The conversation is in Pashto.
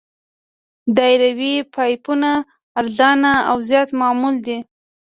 دایروي پایپونه ارزانه او زیات معمول دي